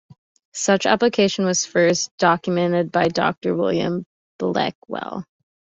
Such application was first documented by Doctor William Bleckwell.